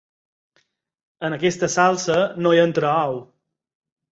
En aquesta salsa no hi entra ou.